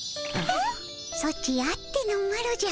ソチあってのマロじゃ。